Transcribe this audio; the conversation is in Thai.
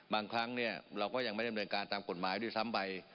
บางครั้งเราก็ยังไม่ได้ดำเนินการตามกฎหมายด้วยซ้ำไป